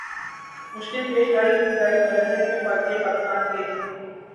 مشکل پیش آئی ابتدائی مر حلے میں یہ پاکستان کے